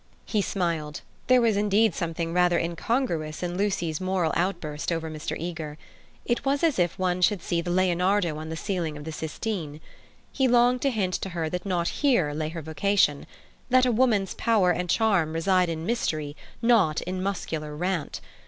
He smiled. There was indeed something rather incongruous in Lucy's moral outburst over Mr. Eager. It was as if one should see the Leonardo on the ceiling of the Sistine. He longed to hint to her that not here lay her vocation; that a woman's power and charm reside in mystery, not in muscular rant.